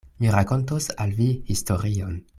Mi rakontos al vi historion.